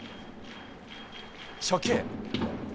初球。